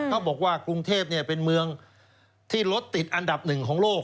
เขาบอกว่ากรุงเทพเป็นเมืองที่รถติดอันดับหนึ่งของโลก